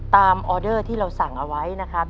ออเดอร์ที่เราสั่งเอาไว้นะครับ